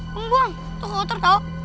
kembuang tuh kotor tau